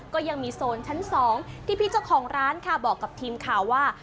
ก็ยังมีโซนชั้น๒ที่พี่เจ้าของร้านค่ะบอกกับทีมข่าวว่า